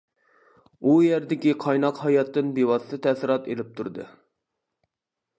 ئۇ يەردىكى قايناق ھاياتتىن بىۋاسىتە تەسىرات ئېلىپ تۇردى.